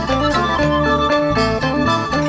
โชว์ฮีตะโครน